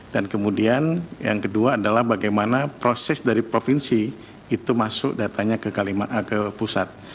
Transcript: dan kemudian yang kedua adalah bagaimana proses dari provinsi itu masuk datanya ke pusat